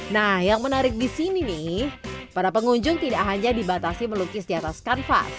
nah yang menarik di sini nih para pengunjung tidak hanya dibatasi melukis di atas kanvas